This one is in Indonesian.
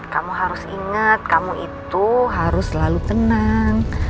kamu harus ingat kamu itu harus selalu tenang